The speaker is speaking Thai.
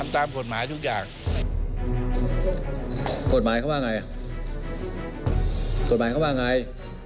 ตรวจหมายเขาว่าอย่างไร